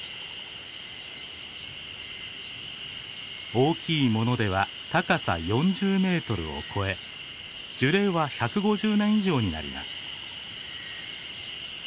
大きいものでは高さ４０ｍを超え樹齢は１５０年以上になります。